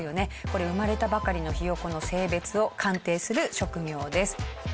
これ生まれたばかりのひよこの性別を鑑定する職業です。